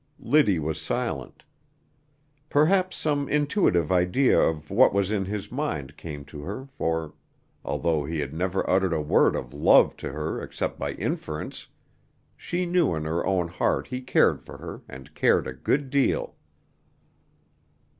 Liddy was silent. Perhaps some intuitive idea of what was in his mind came to her, for, although he had never uttered a word of love to her except by inference, she knew in her own heart he cared for her and cared a good deal.